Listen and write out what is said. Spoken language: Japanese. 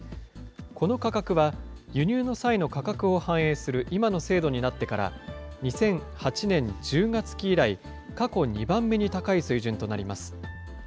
この価格は、輸入の際の価格を反映する今の制度になってから、２００８年１０月期以来、過去２番目に高い水準となります。